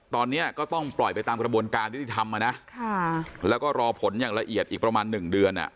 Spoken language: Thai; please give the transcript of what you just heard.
ตอนนี้ก็ต้องปล่อยไปตามกระบวนการยุติธรรมนะแล้วก็รอผลอย่างละเอียดอีกประมาณ๑เดือน